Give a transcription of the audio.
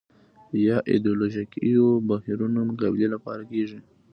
یا ایدیالوژیکو بهیرونو مقابلې لپاره کېږي